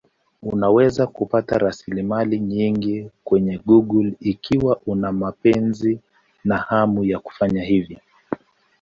Unaweza kupata rasilimali nyingi kwenye Google ikiwa una mapenzi na hamu ya kufanya hivyo.